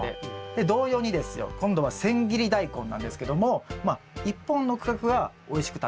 で同様にですよ今度は千切りダイコンなんですけども１本の区画はおいしく食べられました。